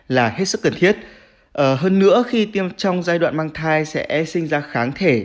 là hết sức cần thiết hơn nữa khi trong giai đoạn mang thai sẽ sinh ra kháng thể